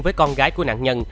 với con gái của nạn nhân